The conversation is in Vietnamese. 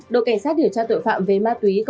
đội cảnh sát điều tra tội phạm về ma túy